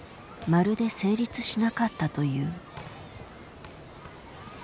まるで成立しなかったという。